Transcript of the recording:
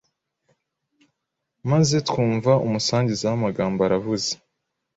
maze twumva umusangiza w’amagambo aravuze,